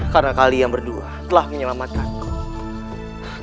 karena kalian berdua telah menyelamatkan ku